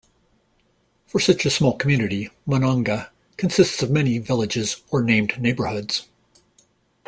For such a small community, Monongah consists of many villages or named neighborhoods.